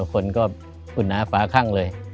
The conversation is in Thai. คนก็หุ่นหน้าฟ้าคั่งเลย